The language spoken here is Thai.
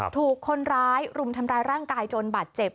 ถูกคนร้ายรุมทำร้ายร่างกายจนบาดเจ็บ